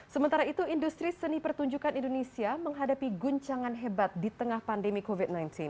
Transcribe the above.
sementara itu industri seni pertunjukan indonesia menghadapi guncangan hebat di tengah pandemi covid sembilan belas